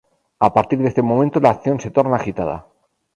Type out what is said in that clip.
A partir de este momento la acción se torna agitada.